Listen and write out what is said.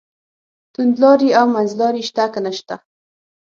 توندلاري او منځلاري شته که نشته.